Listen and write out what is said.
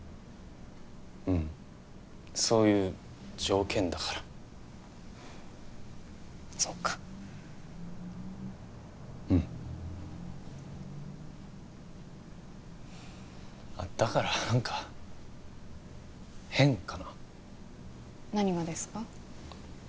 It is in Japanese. うんそういう条件だからそうかうんあっだから何か変かな何がですか？